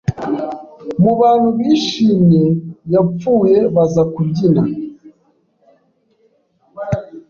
mubantu bishimye yapfuye bazakubyina